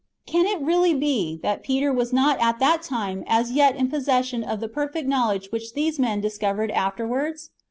Can it really be, that Peter was not at that time as yet in possession of the perfect knowledge which these men discovered afterwards